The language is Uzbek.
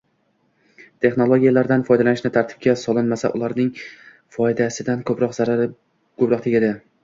Texnologiyalardan foydalanishni tartibga solinmasa, ularning foydasidan ko‘ra zarari ko‘proq tegadi.